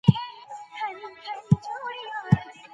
د ټولني پرمختګ د افرادو د حالت پر بنسټ کیږي.